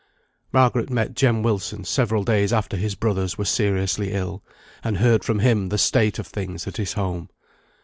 Margaret met Jem Wilson several days after his brothers were seriously ill, and heard from him the state of things at his home.